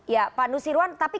ya pak nusirwan tapi